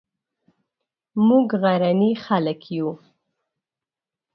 موږ غرني خلک یو